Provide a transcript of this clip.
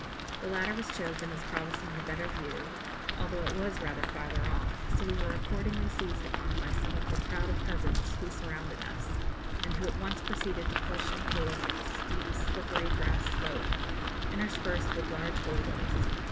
The latter was chosen, as promising the better view, although it was rather farther off, so we were accordingly seized upon by some of the crowd of peasants who surrounded us, and who at once proceeded to push and pull us up a steep slippery grass slope, interspersed with large boulders.